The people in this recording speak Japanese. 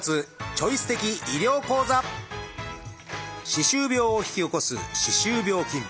歯周病を引き起こす歯周病菌。